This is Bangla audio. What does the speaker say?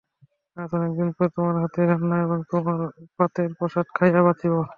আজ অনেক দিন পরে তোমার হাতের রান্না এবং তোমার পাতের প্রসাদ খাইয়া বাঁচিব।